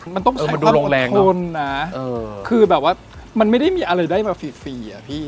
มันต้องใช้ความประทนนะคือแบบว่ามันไม่ได้มีอะไรได้มาฟรีอะพี่